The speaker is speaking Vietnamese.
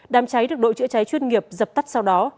đám cháy được đội chữa cháy chuyên nghiệp dập tắt sau đó